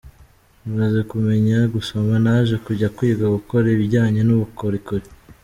Maze kumenya gusoma naje kujya kwiga gukora ibijyanye n’ubukorikori.